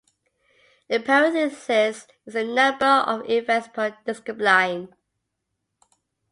In parentheses is the number of events per discipline.